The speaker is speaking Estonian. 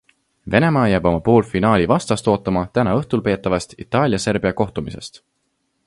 Venemaa jääb oma poolfinaalivastast ootama täna õhtul peetavast Itaalia-Serbia kohtumisest.